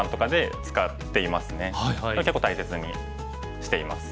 これ結構大切にしています。